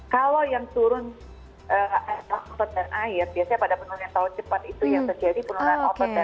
kalau yang turun otot dan air biasanya pada penurunan tahu cepat itu yang terjadi penurunan